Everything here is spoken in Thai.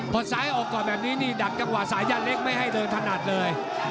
พอซ้ายออกก่อนแบบนี้นี่ดักจังหวะสายันเล็กไม่ให้เดินถนัดเลย